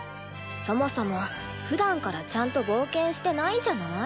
そもそもふだんからちゃんと冒険してないんじゃない？